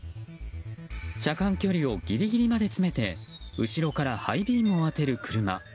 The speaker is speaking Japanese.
車間距離をギリギリまで詰めて後ろからハイビームを当てる車。